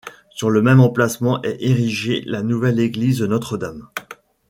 Sur le même emplacement est érigée la nouvelle église Notre-Dame.